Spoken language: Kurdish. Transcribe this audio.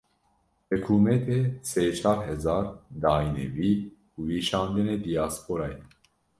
Hikûmetê sê çar hezar dayine wî û wî şandine diyasporayê.